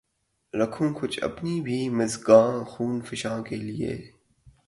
رکھوں کچھ اپنی بھی مژگان خوں فشاں کے لیے